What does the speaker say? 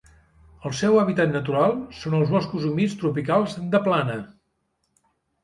El seu hàbitat natural són els boscos humits tropicals de plana.